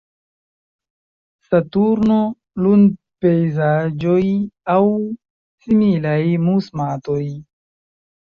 Saturno, lunpejzaĝoj, aŭ similaj mus-matoj.